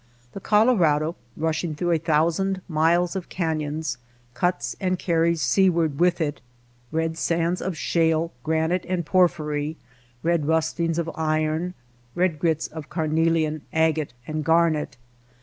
The Colorado rush ing through a thousand miles of canyons, cuts and carries seaward with it red sands of shale, granite, and porphyry, red rustings of iron, red grits of carnelian, agate and garnet.